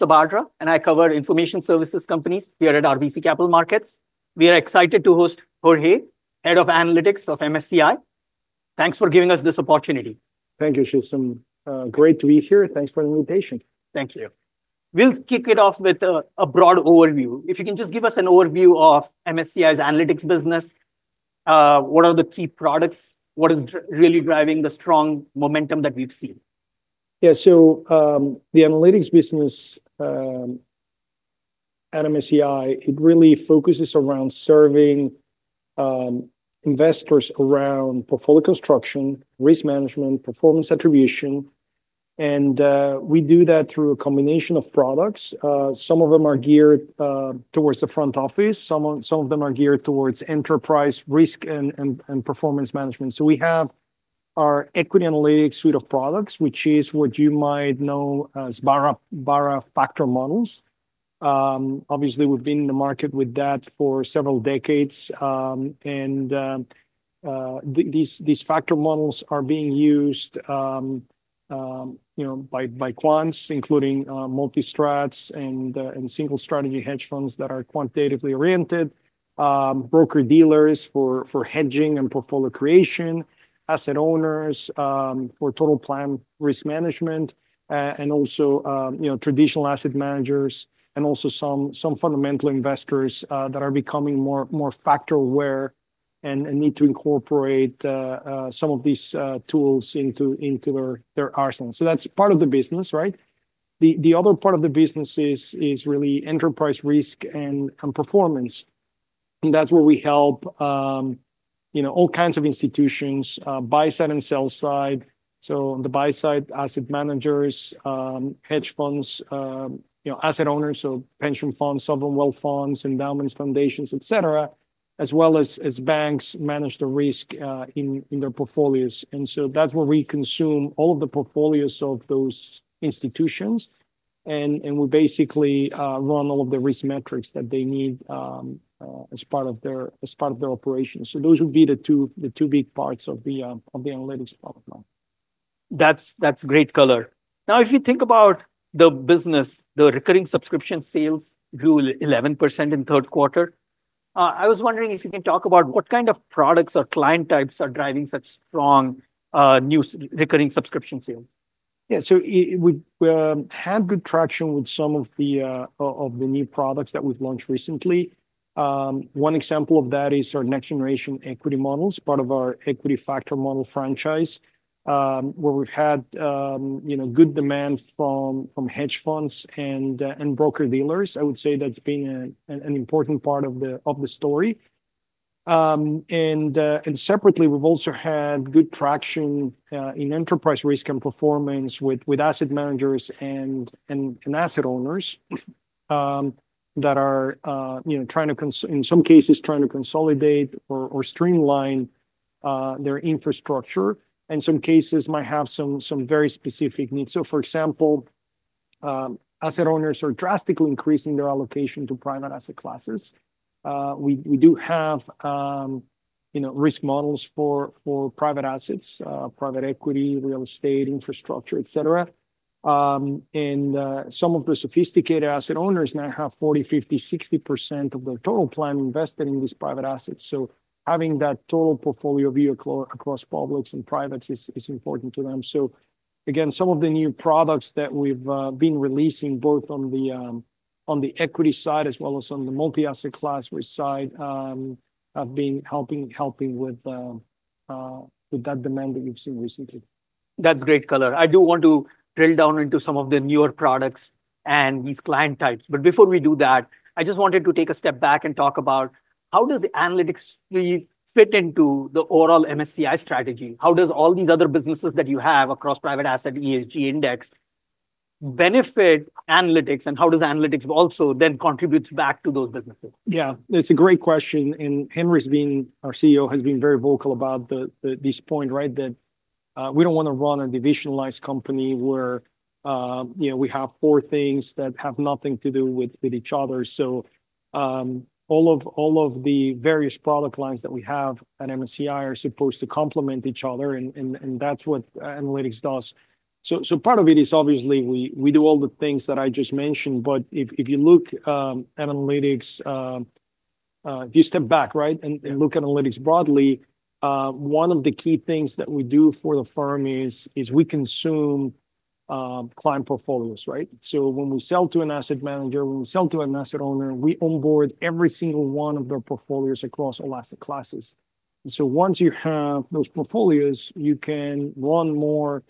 Sabadra, and I cover information services companies here at RBC Capital Markets. We are excited to host Jorge, Head of Analytics of MSCI. Thanks for giving us this opportunity. Thank you, Ashish. Great to be here. Thanks for the invitation. Thank you. We'll kick it off with a broad overview. If you can just give us an overview of MSCI's analytics business, what are the key products, what is really driving the strong momentum that we've seen? Yeah, so the analytics business at MSCI, it really focuses around serving investors around portfolio construction, risk management, performance attribution. And we do that through a combination of products. Some of them are geared towards the front office. Some of them are geared towards enterprise risk and performance management. So we have our equity analytics suite of products, which is what you might know as Barra Factor Models. Obviously, we've been in the market with that for several decades. And these factor models are being used by quants, including multi-strats and single strategy hedge funds that are quantitatively oriented, broker dealers for hedging and portfolio creation, asset owners for total plan risk management, and also traditional asset managers, and also some fundamental investors that are becoming more factor aware and need to incorporate some of these tools into their arsenal. So that's part of the business, right? The other part of the business is really enterprise risk and performance. That's where we help all kinds of institutions, buy side and sell side. On the buy side, asset managers, hedge funds, asset owners, so pension funds, sovereign wealth funds, endowments foundations, et cetera, as well as banks manage the risk in their portfolios. That's where we consume all of the portfolios of those institutions. We basically run all of the risk metrics that they need as part of their operations. Those would be the two big parts of the analytics product line. That's great color. Now, if you think about the business, the recurring subscription sales grew 11% in Q3. I was wondering if you can talk about what kind of products or client types are driving such strong new recurring subscription sales? Yeah, so we have good traction with some of the new products that we've launched recently. One example of that is our next generation equity models, part of our equity factor model franchise, where we've had good demand from hedge funds and broker dealers. I would say that's been an important part of the story. And separately, we've also had good traction in enterprise risk and performance with asset managers and asset owners that are trying to, in some cases, consolidate or streamline their infrastructure. And some cases might have some very specific needs. So for example, asset owners are drastically increasing their allocation to private asset classes. We do have risk models for private assets, private equity, real estate, infrastructure, et cetera. And some of the sophisticated asset owners now have 40, 50, 60% of their total plan invested in these private assets. Having that total portfolio view across public and private is important to them. Again, some of the new products that we've been releasing both on the equity side as well as on the multi-asset class side have been helping with that demand that we've seen recently. That's great color. I do want to drill down into some of the newer products and these client types. But before we do that, I just wanted to take a step back and talk about how does analytics fit into the overall MSCI strategy? How does all these other businesses that you have across private asset ESG index benefit analytics, and how does analytics also then contribute back to those businesses? Yeah, it's a great question. And Henry's been, our CEO, has been very vocal about this point, right, that we don't want to run a divisionalized company where we have four things that have nothing to do with each other. So all of the various product lines that we have at MSCI are supposed to complement each other, and that's what analytics does. So part of it is obviously we do all the things that I just mentioned, but if you look at analytics, if you step back, right, and look at analytics broadly, one of the key things that we do for the firm is we consume client portfolios, right? So when we sell to an asset manager, when we sell to an asset owner, we onboard every single one of their portfolios across all asset classes. So once you have those portfolios, you can run more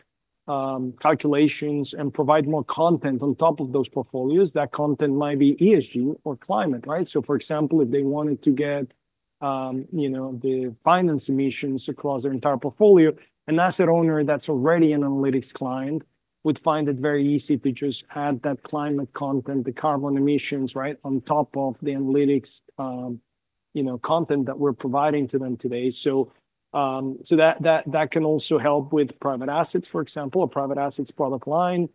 calculations and provide more content on top of those portfolios. That content might ESG or climate, right? So for example, if they wanted to get the financed emissions across their entire portfolio, an asset owner that's already an analytics client would find it very easy to just add that climate content, the carbon emissions, right, on top of the analytics content that we're providing to them today. So that can also help with private assets, for example, a private assets product line,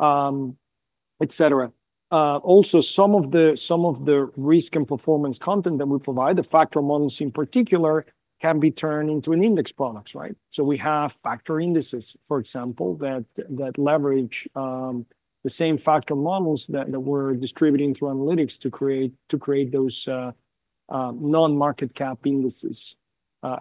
et cetera. Also, some of the risk and performance content that we provide, the factor models in particular, can be turned into an index product, right? So we have factor indices, for example, that leverage the same factor models that we're distributing through analytics to create those non-market cap indices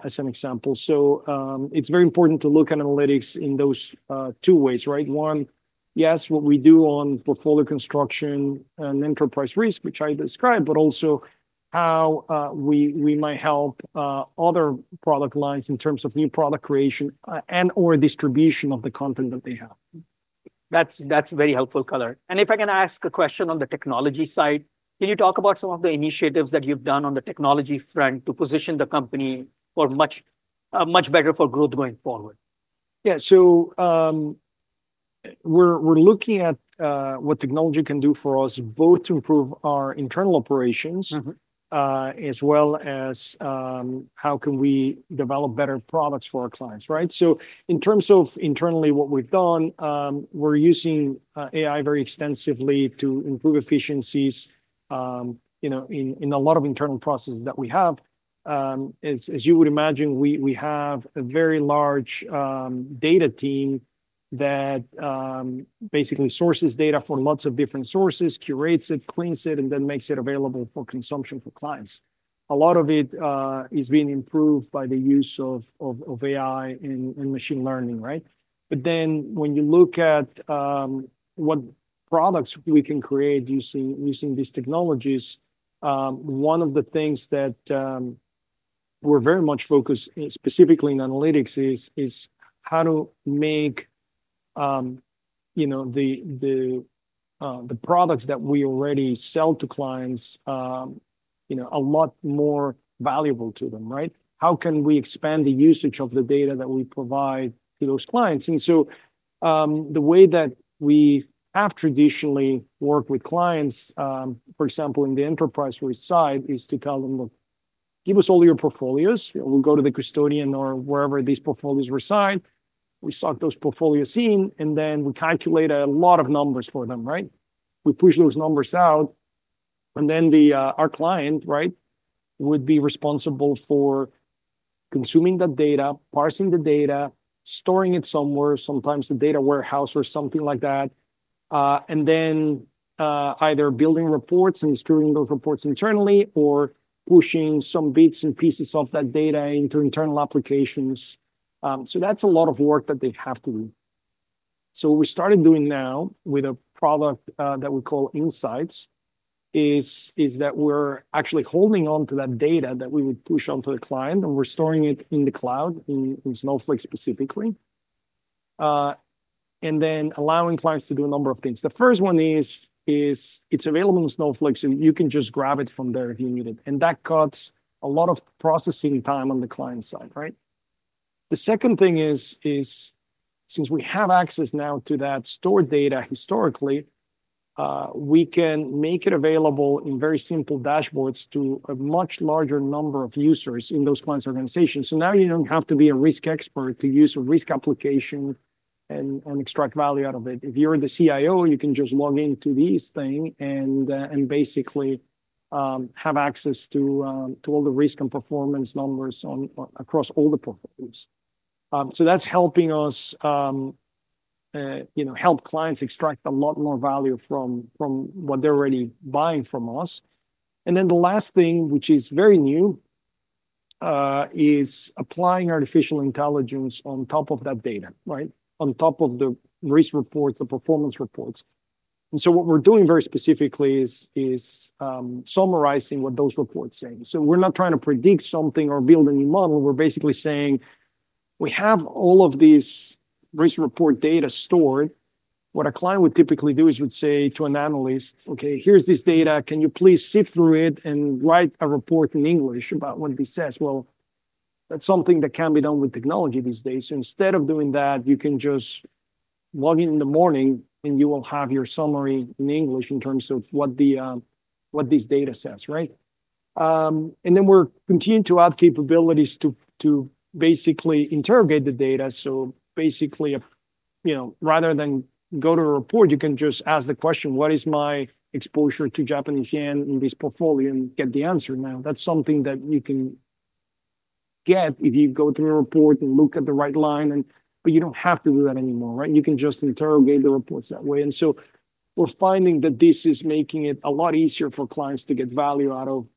as an example. So it's very important to look at analytics in those two ways, right? One, yes, what we do on portfolio construction and enterprise risk, which I described, but also how we might help other product lines in terms of new product creation and/or distribution of the content that they have. That's very helpful color. And if I can ask a question on the technology side, can you talk about some of the initiatives that you've done on the technology front to position the company for much better growth going forward? Yeah, so we're looking at what technology can do for us both to improve our internal operations as well as how can we develop better products for our clients, right? So in terms of internally what we've done, we're using AI very extensively to improve efficiencies in a lot of internal processes that we have. As you would imagine, we have a very large data team that basically sources data from lots of different sources, curates it, cleans it, and then makes it available for consumption for clients. A lot of it is being improved by the use of AI and machine learning, right? But then when you look at what products we can create using these technologies, one of the things that we're very much focused specifically in analytics is how to make the products that we already sell to clients a lot more valuable to them, right? How can we expand the usage of the data that we provide to those clients? And so the way that we have traditionally worked with clients, for example, in the enterprise side is to tell them, "Look, give us all your portfolios. We'll go to the custodian or wherever these portfolios reside. We suck those portfolios in, and then we calculate a lot of numbers for them, right? We push those numbers out, and then our client, right, would be responsible for consuming that data, parsing the data, storing it somewhere, sometimes the data warehouse or something like that, and then either building reports and storing those reports internally or pushing some bits and pieces of that data into internal applications." So that's a lot of work that they have to do. So what we started doing now with a product that we call Insights is that we're actually holding on to that data that we would push onto the client, and we're storing it in the cloud in Snowflake specifically, and then allowing clients to do a number of things. The first one is it's available in Snowflake, so you can just grab it from there if you need it. And that cuts a lot of processing time on the client side, right? The second thing is since we have access now to that stored data historically, we can make it available in very simple dashboards to a much larger number of users in those clients' organizations. So now you don't have to be a risk expert to use a risk application and extract value out of it. If you're the CIO, you can just log into these things and basically have access to all the risk and performance numbers across all the portfolios. So that's helping us help clients extract a lot more value from what they're already buying from us. And then the last thing, which is very new, is applying artificial intelligence on top of that data, right? On top of the risk reports, the performance reports. And so what we're doing very specifically is summarizing what those reports say. So we're not trying to predict something or build a new model. We're basically saying we have all of these risk report data stored. What a client would typically do is say to an analyst, "Okay, here's this data. Can you please sift through it and write a report in English about what this says?" Well, that's something that can be done with technology these days. Instead of doing that, you can just log in the morning, and you will have your summary in English in terms of what these data says, right? And then we're continuing to add capabilities to basically interrogate the data. So basically, rather than go to a report, you can just ask the question, "What is my exposure to Japanese yen in this portfolio?" and get the answer now. That's something that you can get if you go through a report and look at the right line. But you don't have to do that anymore, right? You can just interrogate the reports that way. And so we're finding that this is making it a lot easier for clients to get value out of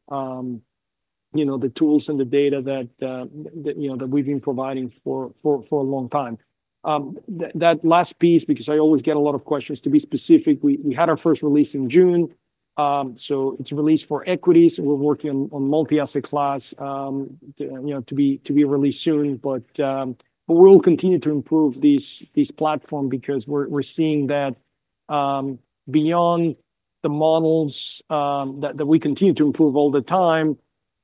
the tools and the data that we've been providing for a long time. That last piece, because I always get a lot of questions, to be specific, we had our first release in June. So it's released for equities. We're working on multi-asset class to be released soon. But we'll continue to improve this platform because we're seeing that beyond the models that we continue to improve all the time,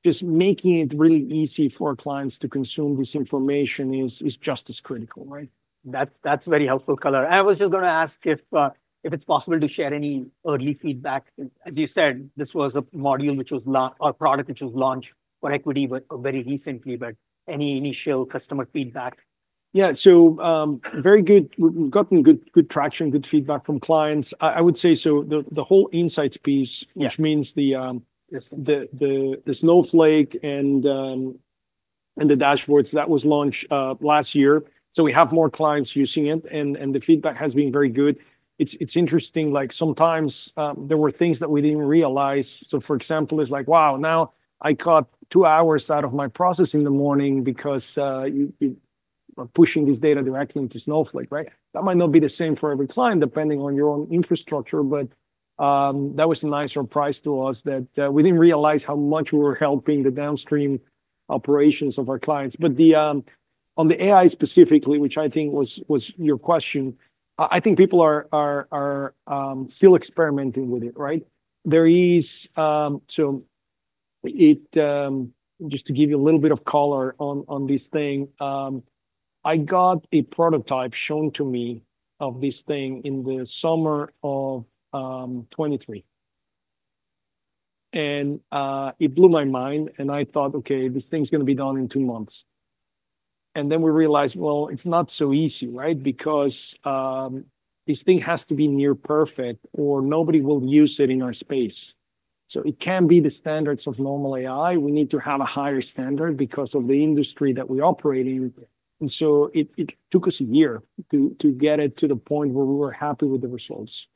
just making it really easy for our clients to consume this information is just as critical, right? That's very helpful color. I was just going to ask if it's possible to share any early feedback? As you said, this was a module which was our product which was launched for equity very recently, but any initial customer feedback? Yeah, so very good. We've gotten good traction, good feedback from clients. I would say so the whole insights piece, which means the Snowflake and the dashboards that was launched last year. So we have more clients using it, and the feedback has been very good. It's interesting. Sometimes there were things that we didn't realize. So for example, it's like, "Wow, now I cut two hours out of my process in the morning because you're pushing this data directly into Snowflake," right? That might not be the same for every client depending on your own infrastructure, but that was a nice surprise to us that we didn't realize how much we were helping the downstream operations of our clients. But on the AI specifically, which I think was your question, I think people are still experimenting with it, right? There is. So just to give you a little bit of color on this thing, I got a prototype shown to me of this thing in the summer of 2023. And it blew my mind, and I thought, "Okay, this thing's going to be done in two months." And then we realized, "Well, it's not so easy, right? Because this thing has to be near perfect or nobody will use it in our space." So it can't be the standards of normal AI. We need to have a higher standard because of the industry that we operate in. And so it took us a year to get it to the point where we were happy with the results.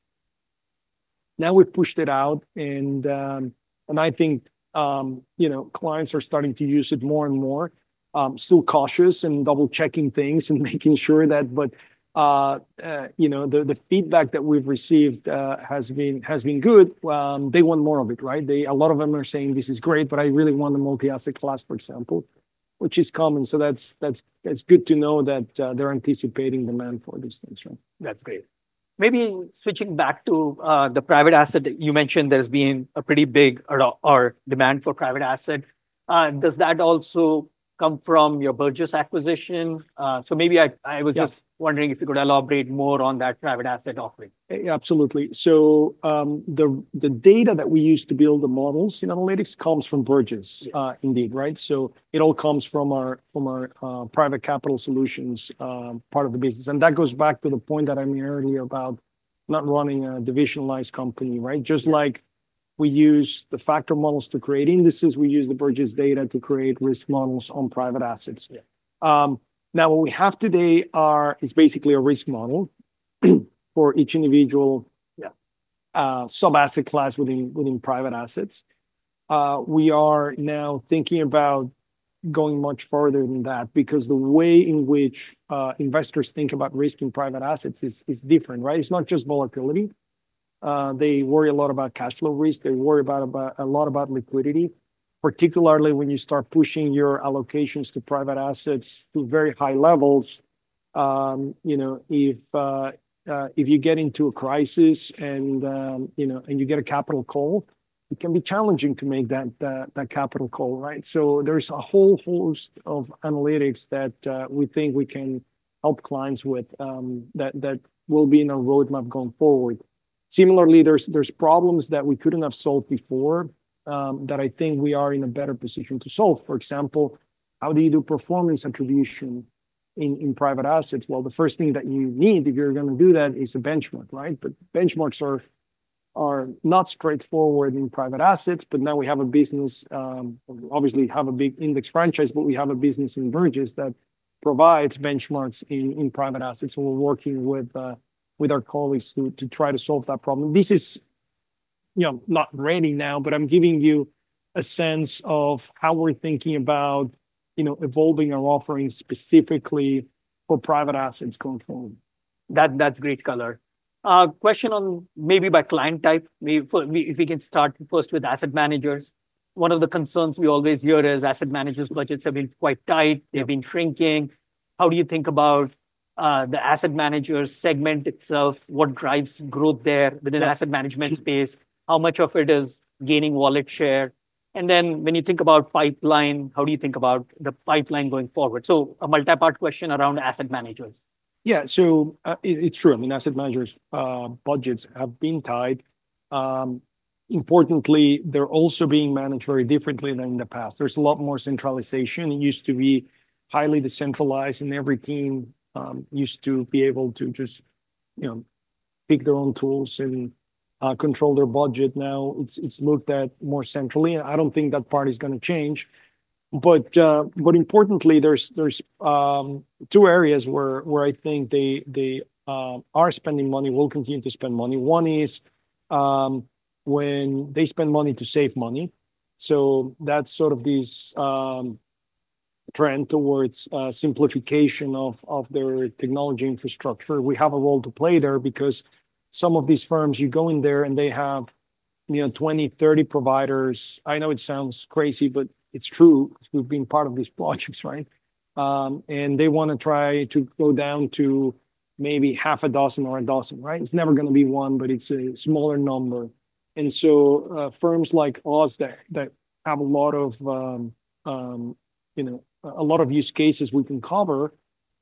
Now we pushed it out, and I think clients are starting to use it more and more, still cautious and double-checking things and making sure that. But the feedback that we've received has been good. They want more of it, right? A lot of them are saying, "This is great, but I really want the multi-asset class," for example, which is common. So that's good to know that they're anticipating demand for these things, right? That's great. Maybe switching back to the private asset, you mentioned there's been a pretty big demand for private asset. Does that also come from your Burgiss acquisition? So maybe I was just wondering if you could elaborate more on that private asset offering. Absolutely. So the data that we use to build the models in analytics comes from Burgiss, indeed, right? So it all comes from our Private Capital Solutions part of the business. And that goes back to the point that I made earlier about not running a divisionalized company, right? Just like we use the factor models to create indices, we use the Burgiss data to create risk models on private assets. Now what we have today is basically a risk model for each individual sub-asset class within private assets. We are now thinking about going much further than that because the way in which investors think about risk in private assets is different, right? It's not just volatility. They worry a lot about cash flow risk. They worry a lot about liquidity, particularly when you start pushing your allocations to private assets to very high levels. If you get into a crisis and you get a capital call, it can be challenging to make that capital call, right? So there's a whole host of analytics that we think we can help clients with that will be in our roadmap going forward. Similarly, there's problems that we couldn't have solved before that I think we are in a better position to solve. For example, how do you do performance attribution in private assets? Well, the first thing that you need if you're going to do that is a benchmark, right? But benchmarks are not straightforward in private assets. But now we have a business, obviously have a big index franchise, but we have a business in Burgiss that provides benchmarks in private assets. And we're working with our colleagues to try to solve that problem. This is not ready now, but I'm giving you a sense of how we're thinking about evolving our offering specifically for private assets going forward. That's great color. Question on maybe by client type, if we can start first with asset managers. One of the concerns we always hear is asset managers' budgets have been quite tight. They've been shrinking. How do you think about the asset manager segment itself? What drives growth there within the asset management space? How much of it is gaining wallet share? And then when you think about pipeline, how do you think about the pipeline going forward? So a multi-part question around asset managers. Yeah, so it's true. I mean, asset managers' budgets have been tight. Importantly, they're also being managed very differently than in the past. There's a lot more centralization. It used to be highly decentralized, and every team used to be able to just pick their own tools and control their budget. Now it's looked at more centrally. I don't think that part is going to change. But importantly, there's two areas where I think they are spending money, will continue to spend money. One is when they spend money to save money. So that's sort of this trend towards simplification of their technology infrastructure. We have a role to play there because some of these firms, you go in there and they have 20, 30 providers. I know it sounds crazy, but it's true. We've been part of these projects, right? They want to try to go down to maybe half a dozen or a dozen, right? It's never going to be one, but it's a smaller number. And so firms like us that have a lot of use cases we can cover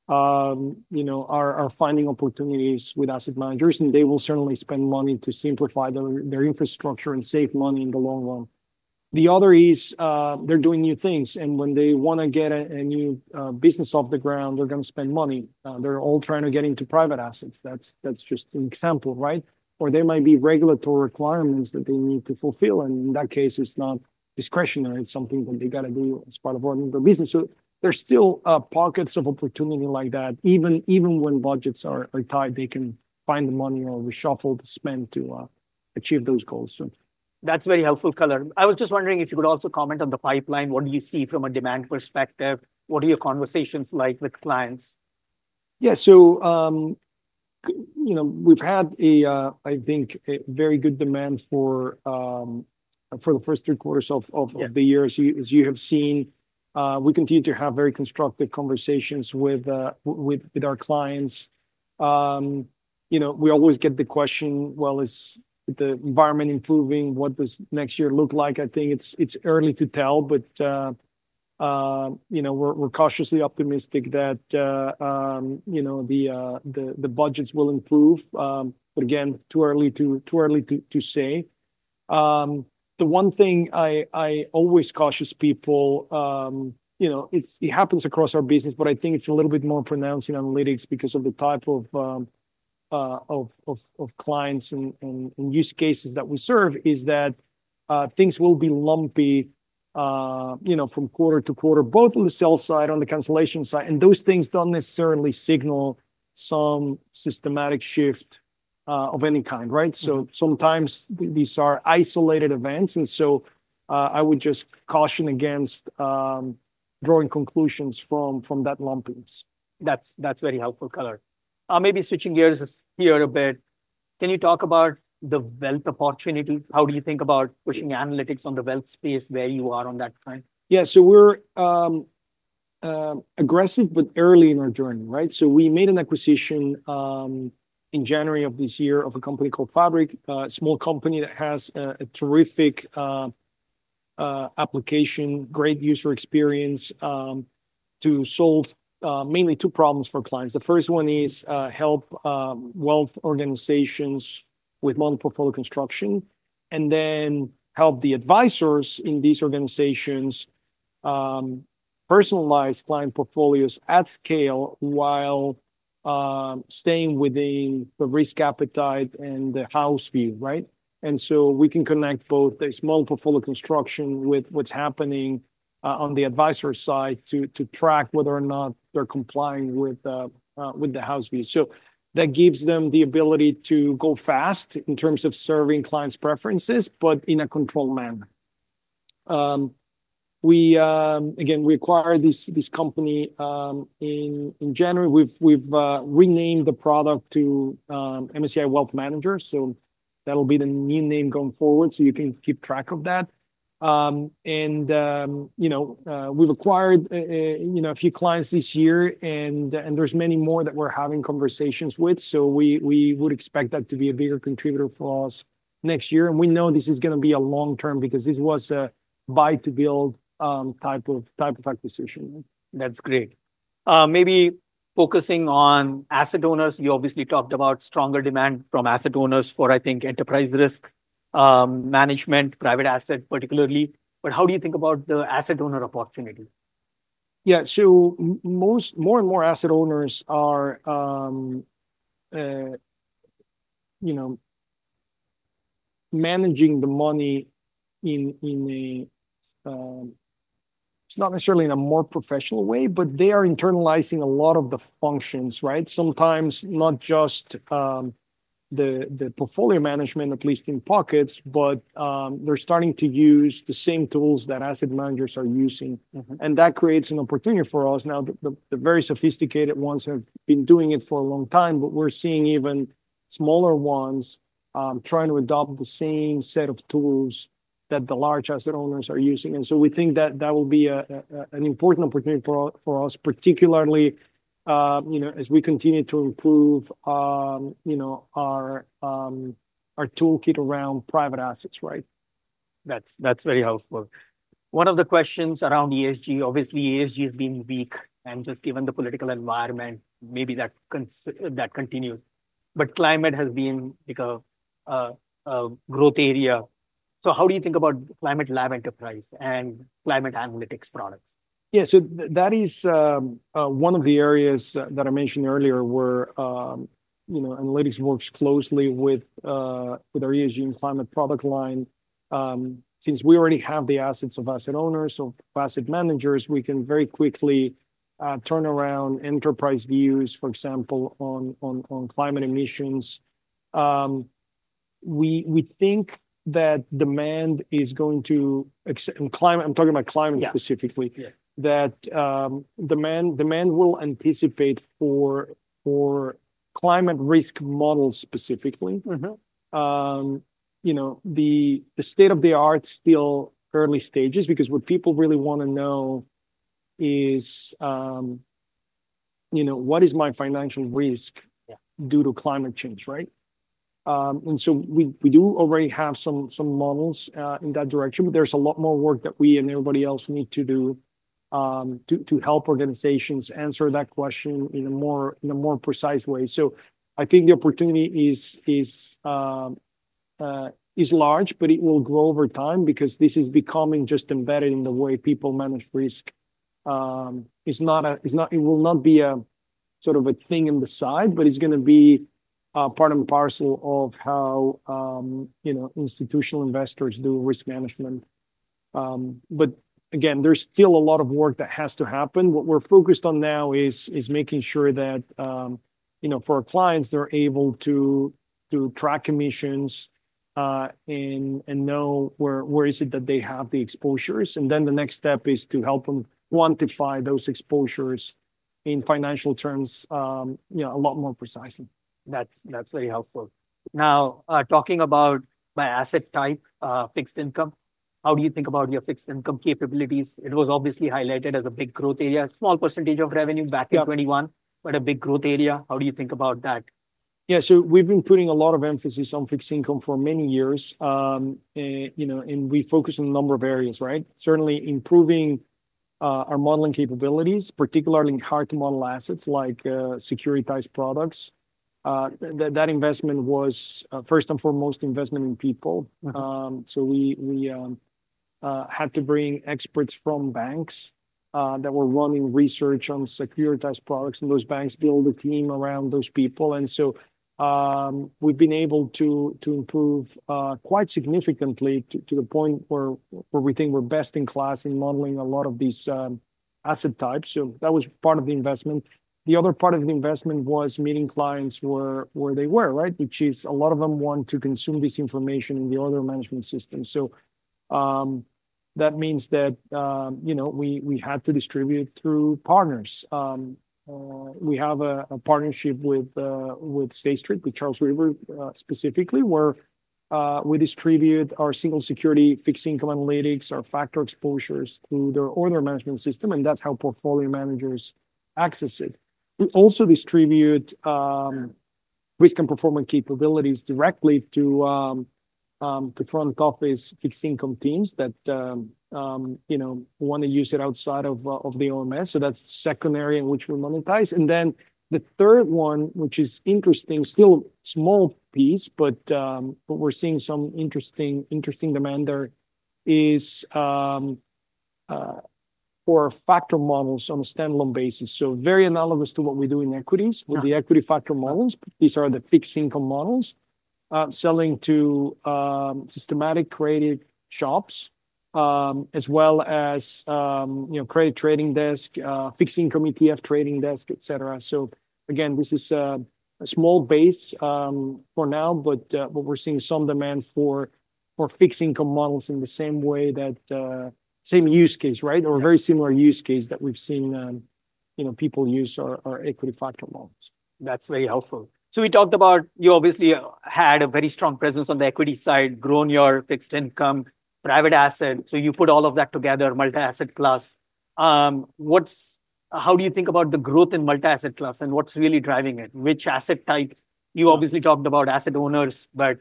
are finding opportunities with asset managers, and they will certainly spend money to simplify their infrastructure and save money in the long run. The other is they're doing new things, and when they want to get a new business off the ground, they're going to spend money. They're all trying to get into private assets. That's just an example, right? Or there might be regulatory requirements that they need to fulfill, and in that case, it's not discretionary. It's something that they got to do as part of our business. So there's still pockets of opportunity like that. Even when budgets are tight, they can find the money or reshuffle the spend to achieve those goals. That's very helpful color. I was just wondering if you could also comment on the pipeline. What do you see from a demand perspective? What are your conversations like with clients? Yeah, so we've had, I think, a very good demand for the first three quarters of the year. As you have seen, we continue to have very constructive conversations with our clients. We always get the question, "Well, is the environment improving? What does next year look like?" I think it's early to tell, but we're cautiously optimistic that the budgets will improve. But again, too early to say. The one thing I always caution people, it happens across our business, but I think it's a little bit more pronounced in analytics because of the type of clients and use cases that we serve is that things will be lumpy from quarter-to-quarter, both on the sell side and on the cancellation side. And those things don't necessarily signal some systematic shift of any kind, right? So sometimes these are isolated events. And so I would just caution against drawing conclusions from that lumpiness. That's very helpful color. Maybe switching gears here a bit, can you talk about the wealth opportunity? How do you think about pushing analytics on the wealth space where you are on that front? Yeah, so we're aggressive, but early in our journey, right? So we made an acquisition in January of this year of a company called Fabric, a small company that has a terrific application, great user experience to solve mainly two problems for clients. The first one is help wealth organizations with multi-portfolio construction and then help the advisors in these organizations personalize client portfolios at scale while staying within the risk appetite and the house view, right? And so we can connect both a small portfolio construction with what's happening on the advisory side to track whether or not they're complying with the house view. So that gives them the ability to go fast in terms of serving clients' preferences, but in a controlled manner. Again, we acquired this company in January. We've renamed the product to MSCI Wealth Manager. So that'll be the new name going forward so you can keep track of that. And we've acquired a few clients this year, and there's many more that we're having conversations with. So we would expect that to be a bigger contributor for us next year. And we know this is going to be a long term because this was a buy-to-build type of acquisition. That's great. Maybe focusing on asset owners, you obviously talked about stronger demand from asset owners for, I think, enterprise risk management, private asset particularly. But how do you think about the asset owner opportunity? Yeah, so more and more asset owners are managing the money in a, it's not necessarily in a more professional way, but they are internalizing a lot of the functions, right? Sometimes not just the portfolio management, at least in pockets, but they're starting to use the same tools that asset managers are using. And that creates an opportunity for us. Now, the very sophisticated ones have been doing it for a long time, but we're seeing even smaller ones trying to adopt the same set of tools that the large asset owners are using. And so we think that that will be an important opportunity for us, particularly as we continue to improve our toolkit around private assets, right? That's very helpful. One of the questions around ESG, obviously ESG has been weak and just given the political environment, maybe that continues. But climate has been a growth area. So how do you think about Climate Lab Enterprise and climate analytics products? Yeah, so that is one of the areas that I mentioned earlier where analytics works closely with our ESG and climate product line. Since we already have the assets of asset owners, of asset managers, we can very quickly turn around enterprise views, for example, on climate emissions. We think that demand is going to, and I'm talking about climate specifically, that demand will anticipate for climate risk models specifically. The state of the art is still early stages because what people really want to know is what is my financial risk due to climate change, right? And so we do already have some models in that direction, but there's a lot more work that we and everybody else need to do to help organizations answer that question in a more precise way. So I think the opportunity is large, but it will grow over time because this is becoming just embedded in the way people manage risk. It will not be a sort of a thing in the side, but it's going to be part and parcel of how institutional investors do risk management. But again, there's still a lot of work that has to happen. What we're focused on now is making sure that for our clients, they're able to track emissions and know where is it that they have the exposures. And then the next step is to help them quantify those exposures in financial terms a lot more precisely. That's very helpful. Now, talking about by asset type, fixed income, how do you think about your fixed income capabilities? It was obviously highlighted as a big growth area, small percentage of revenue back in 2021, but a big growth area. How do you think about that? Yeah, so we've been putting a lot of emphasis on fixed income for many years, and we focus on a number of areas, right? Certainly improving our modeling capabilities, particularly in hard-to-model assets like securitized products. That investment was, first and foremost, investment in people. So we had to bring experts from banks that were running research on securitized products, and those banks built a team around those people. And so we've been able to improve quite significantly to the point where we think we're best in class in modeling a lot of these asset types. So that was part of the investment. The other part of the investment was meeting clients where they were, right? Which is a lot of them want to consume this information in the order management system. So that means that we had to distribute through partners. We have a partnership with State Street, with Charles River specifically, where we distribute our single security fixed income analytics, our factor exposures through their order management system, and that's how portfolio managers access it. We also distribute risk and performance capabilities directly to front office fixed income teams that want to use it outside of the OMS. So that's a second area in which we monetize. And then the third one, which is interesting, still a small piece, but we're seeing some interesting demand there is for factor models on a standalone basis. So very analogous to what we do in equities with the equity factor models. These are the fixed income models selling to systematic quant shops as well as credit trading desk, fixed income ETF trading desk, etc. Again, this is a small base for now, but we're seeing some demand for fixed income models in the same way that same use case, right? Or very similar use case that we've seen people use our equity factor models. That's very helpful. So we talked about you obviously had a very strong presence on the equity side, grown your fixed income, private asset. So you put all of that together, multi-asset class. How do you think about the growth in multi-asset class and what's really driving it? Which asset types? You obviously talked about asset owners, but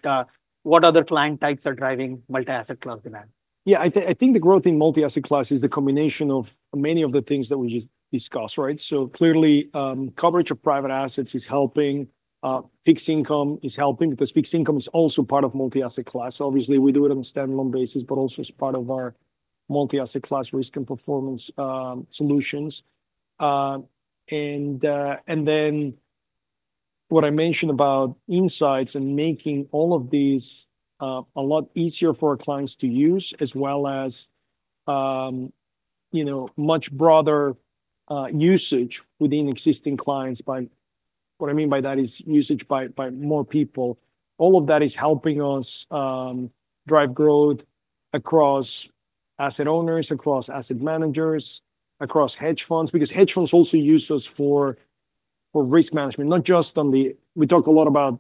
what other client types are driving multi-asset class demand? Yeah, I think the growth in multi-asset class is the combination of many of the things that we just discussed, right? So clearly, coverage of private assets is helping. Fixed income is helping because fixed income is also part of multi-asset class. Obviously, we do it on a standalone basis, but also as part of our multi-asset class risk and performance solutions. And then what I mentioned about insights and making all of these a lot easier for our clients to use as well as much broader usage within existing clients. What I mean by that is usage by more people. All of that is helping us drive growth across asset owners, across asset managers, across hedge funds because hedge funds also use us for risk management, not just, we talk a lot about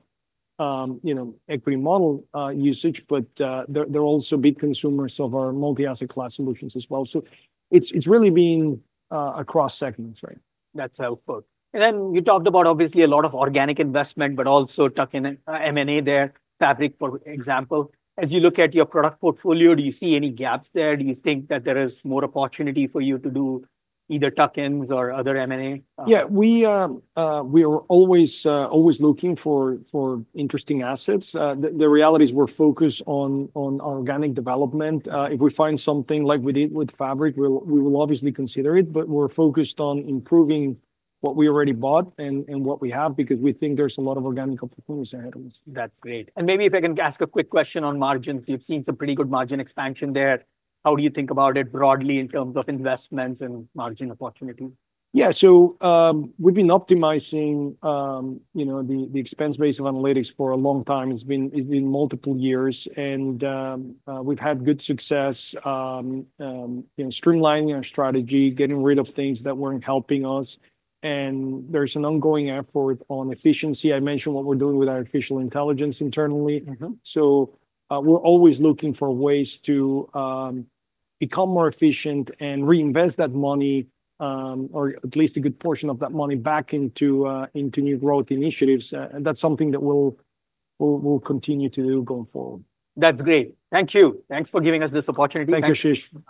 equity model usage, but they're also big consumers of our multi-asset class solutions as well. So it's really been across segments, right? That's helpful. And then you talked about obviously a lot of organic investment, but also tuck in M&A there, Fabric, for example. As you look at your product portfolio, do you see any gaps there? Do you think that there is more opportunity for you to do either tuck-ins or other M&A? Yeah, we are always looking for interesting assets. The reality is we're focused on organic development. If we find something like we did with Fabric, we will obviously consider it, but we're focused on improving what we already bought and what we have because we think there's a lot of organic opportunities ahead of us. That's great. And maybe if I can ask a quick question on margins, you've seen some pretty good margin expansion there. How do you think about it broadly in terms of investments and margin opportunity? Yeah, so we've been optimizing the expense base of analytics for a long time. It's been multiple years, and we've had good success streamlining our strategy, getting rid of things that weren't helping us. And there's an ongoing effort on efficiency. I mentioned what we're doing with artificial intelligence internally. So we're always looking for ways to become more efficient and reinvest that money or at least a good portion of that money back into new growth initiatives. And that's something that we'll continue to do going forward. That's great. Thank you. Thanks for giving us this opportunity. Thank you, Ashish.